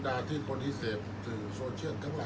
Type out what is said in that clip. อันไหนที่มันไม่จริงแล้วอาจารย์อยากพูด